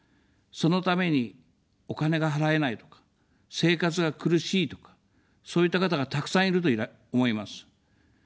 そのためにお金が払えないとか、生活が苦しいとか、そういった方がたくさんいると思います。